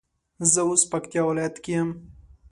زه اوس پکتيا ولايت کي يم